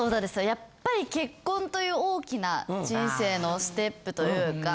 やっぱり結婚という大きな人生のステップというか。